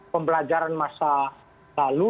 pembelajaran masa lalu